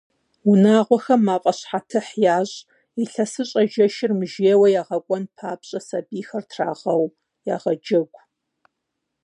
Унагъуэхэм мафӀащхьэтыхь ящӀ, илъэсыщӀэ жэщыр мыжейуэ ягъэкӀуэн папщӀэ сабийхэр трагъэу, ягъэджэгу.